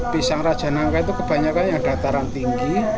pisang raja nangka itu kebanyakan yang dataran tinggi